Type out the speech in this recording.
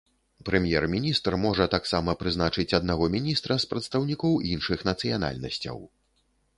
Прэм'ер-міністр можа таксама прызначыць аднаго міністра з прадстаўнікоў іншых нацыянальнасцяў.